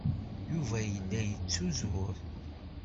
Yuba yella yettuzur.